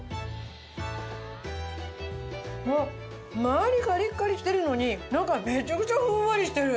うわっまわりカリカリしてるのに中めちゃくちゃふんわりしてる。